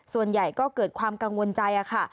ส่วนใหญ่ก็เกิดความกังวลใจค่ะ